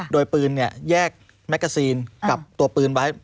โดยปืนแยกแมกกาซีนกับตัวปืนไว้